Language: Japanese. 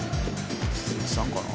「鈴木さんかな？」